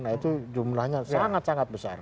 nah itu jumlahnya sangat sangat besar